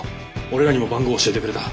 俺らにも番号教えてくれた。